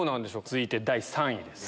続いて第３位です。